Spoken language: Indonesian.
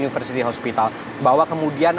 university hospital bahwa kemudian